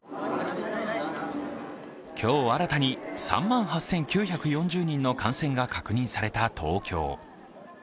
今日新たに３万８９４０人の感染が確認された東京。